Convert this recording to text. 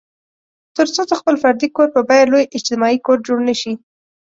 تر څو د خپل فردي کور په بیه لوی اجتماعي کور جوړ نه شي.